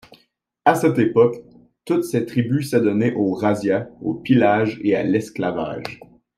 À cette époque, toutes ces tribus s’adonnaient aux razzias, aux pillages et à l’esclavage.